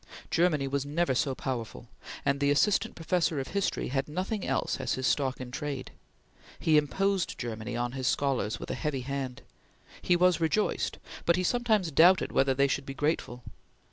Germany was never so powerful, and the Assistant Professor of History had nothing else as his stock in trade. He imposed Germany on his scholars with a heavy hand. He was rejoiced; but he sometimes doubted whether they should be grateful.